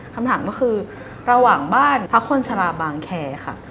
คำถามก็คือระหว่างบ้านพระคนชะลาบางแคร์ค่ะ